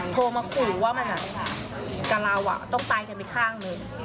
โทรมาขู่ว่ากับเราต้องตายกันไปข้างหนึ่ง